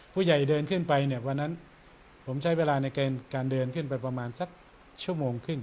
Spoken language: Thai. เดินขึ้นไปเนี่ยวันนั้นผมใช้เวลาในการเดินขึ้นไปประมาณสักชั่วโมงครึ่ง